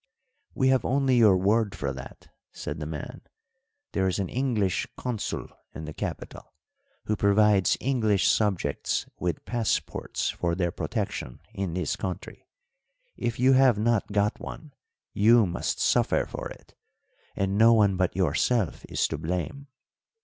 "We have only your word for that," said the man. "There is an English consul in the capital, who provides English subjects with passports for their protection, in this country. If you have not got one you must suffer for it, and no one but yourself is to blame.